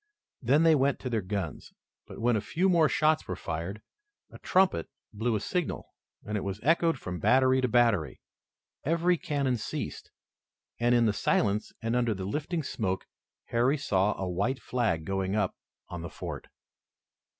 Then they went to their guns, but, when a few more shots were fired, a trumpet blew a signal, and it was echoed from battery to battery. Every cannon ceased, and, in the silence and under the lifting smoke, Harry saw a white flag going up on the fort.